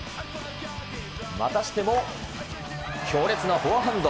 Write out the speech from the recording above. またしても強烈なフォアハンド。